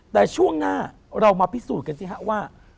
แต่ช่วงหน้าเรามาพิสูจน์กันสิฮะว่า